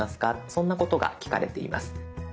そんなことが聞かれています。